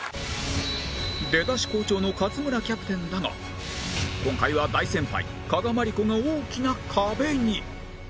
出だし好調の勝村キャプテンだが今回は大先輩加賀まりこが大きな壁に！